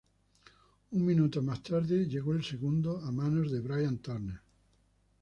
Un minuto más tarde llegó el segundo, a manos de Brian Turner.